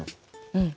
うん。